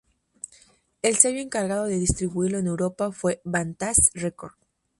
El sello encargado de distribuirlo en Europa fue Bad Taste Records.